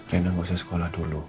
rina gak usah sekolah dulu